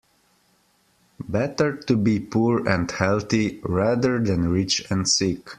Better to be poor and healthy rather than rich and sick.